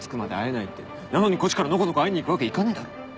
なのにこっちからのこのこ会いに行くわけいかねえだろ。